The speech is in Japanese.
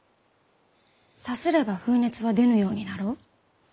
さすれば風熱は出ぬようになろう？